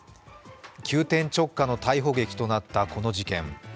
急転直下の逮捕劇となったこの事件。